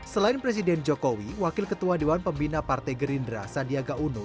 selain presiden jokowi wakil ketua dewan pembina partai gerindra sandiaga uno